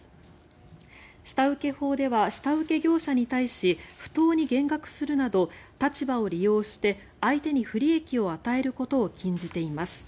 下請法では下請け業者に対し不当に減額するなど立場を利用して相手に不利益を与えることを禁じています。